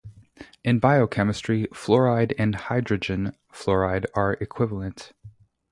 In biochemistry, fluoride and hydrogen fluoride are equivalent.